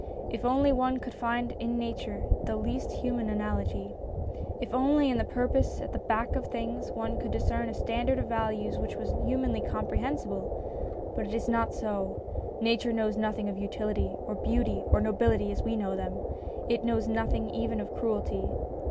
If only one could find in nature the least human analogy! If only in the purpose at the back of things one could discern a standard of values which was humanly comprehensible ! But it is not so. Nature knows nothing of utility, or beauty, or nobility as we know them. It knows nothing even of cruelty.